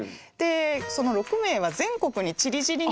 その６名は全国にちりぢりになって。